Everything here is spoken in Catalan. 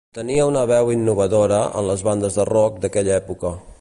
Tenia una veu innovadora en les bandes de rock d'aquella època.